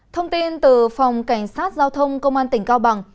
thông tin từ phòng cảnh sát giao thông công an tỉnh cao bằng